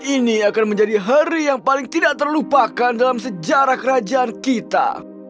ini akan menjadi hari yang paling tidak terlupakan dalam sejarah kerajaan kita